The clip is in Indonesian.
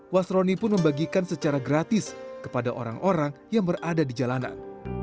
wasroni pun membagikan secara gratis kepada orang orang yang berada di jalanan